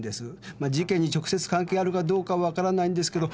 まあ事件に直接関係あるかどうか分からないんですけど。